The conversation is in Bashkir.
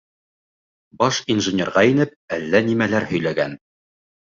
Баш инженерға инеп әллә нимәләр һөйләгән.